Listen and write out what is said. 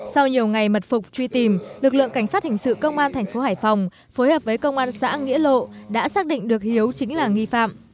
sau nhiều ngày mật phục truy tìm lực lượng cảnh sát hình sự công an thành phố hải phòng phối hợp với công an xã nghĩa lộ đã xác định được hiếu chính là nghi phạm